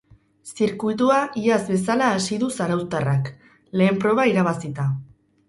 Zirkuitua iaz bezala hasi du zarauztarrak, lehen proba irabazita.